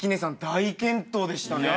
大健闘でしたね。